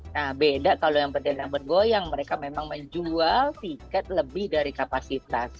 nah beda kalau yang bendera bergoyang mereka memang menjual tiket lebih dari kapasitas